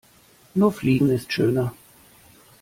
Nur Fliegen ist schöner.